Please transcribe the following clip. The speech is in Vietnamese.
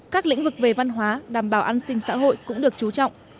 các lĩnh vực về văn hóa đảm bảo an sinh xã hội cũng được chú trọng